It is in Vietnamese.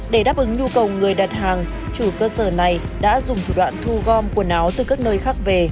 để đáp ứng nhu cầu người đặt hàng chủ cơ sở này đã dùng thủ đoạn thu gom quần áo từ các nơi khác về